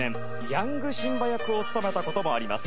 ヤングシンバ役を務めた事もあります。